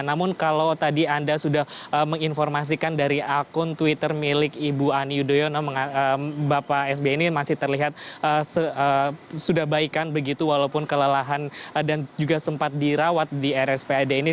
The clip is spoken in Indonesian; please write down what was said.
namun kalau tadi anda sudah menginformasikan dari akun twitter milik ibu ani yudhoyono bapak sb ini masih terlihat sudah baikan begitu walaupun kelelahan dan juga sempat dirawat di rspad ini